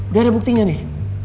udah ada buktinya nih